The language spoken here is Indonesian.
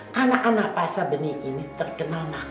jadi anak anak pak sabeni ini terkenal nakal banget ya bu